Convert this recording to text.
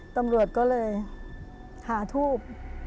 ตำรวจก็เลยหาทูบ